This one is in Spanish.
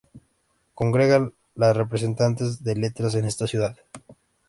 Congrega los representantes de Letras en esta ciudad.